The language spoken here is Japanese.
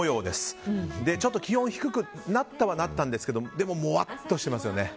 気温、ちょっと低くなったはなったんですけどでも、もわっとしてますよね。